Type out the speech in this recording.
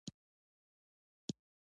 آیا د هر هیواد خلک هلته کار نه کوي؟